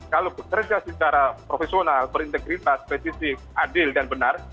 kalau bekerja secara profesional berintegritas spesifik adil dan benar